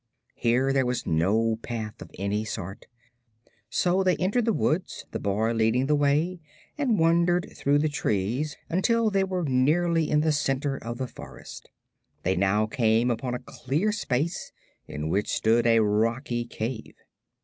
Here there was no path of any sort, so they entered the woods, the boy leading the way, and wandered through the trees until they were nearly in the center of the forest. They now came upon a clear space in which stood a rocky cave.